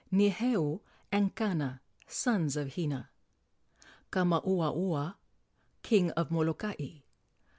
Niheu and Kana, sons of Hina. Kamauaua, King of Molokai.